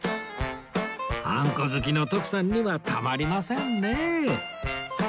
あんこ好きの徳さんにはたまりませんね